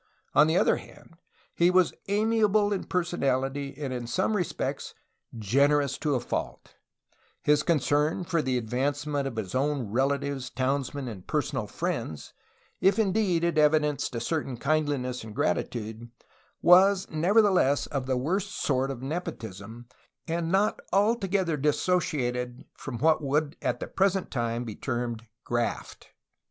On the other hand he was amiable in personality and in some respects generous to a fault; his concern for the advancement of his own relatives, townsmen, and personal friends, if indeed it evidenced a certain kindliness and gratitude, was nevertheless of the worst sort of nepotism and not altogether dissociated from what would at the present time be termed graft.